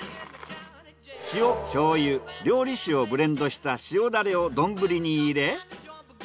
塩醤油料理酒をブレンドした塩ダレを丼に入れ。